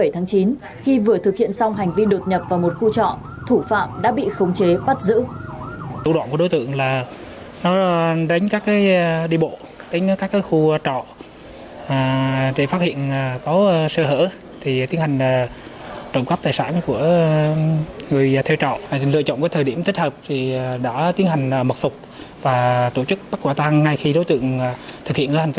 hai mươi bảy tháng chín khi vừa thực hiện xong hành vi đột nhập vào một khu trọ thủ phạm đã bị khống chế bắt giữ